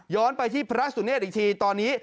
ไปที่พระสุเนธอีกทีตอนนี้